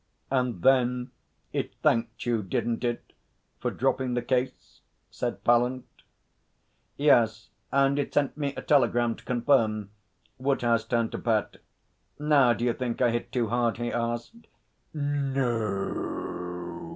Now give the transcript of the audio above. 'And then it thanked you, didn't it, for dropping the case?' said Pallant. 'Yes, and it sent me a telegram to confirm.' Woodhouse turned to Bat. 'Now d'you think I hit too hard?' he asked. 'No o!'